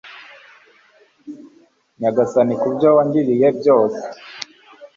nyagasani ku byo wangiriye byose